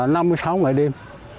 năm mươi sáu ngày đêm